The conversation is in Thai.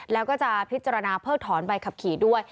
แล้วก็จะพิจารณาเพิกถอนใบขับขี่ด้วย